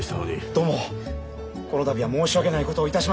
どうもこの度は申し訳ないことをいたしました。